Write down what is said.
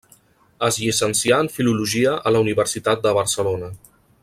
Es llicencià en filologia a la Universitat de Barcelona.